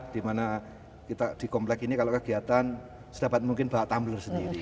dimana kita di komplek ini kalau kegiatan sedapat mungkin bawa tumbler sendiri